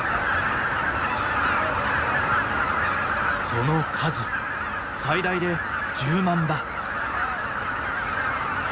その数最大で１０万羽。